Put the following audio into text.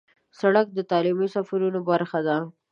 سړک د تعلیمي سفرونو برخه ده.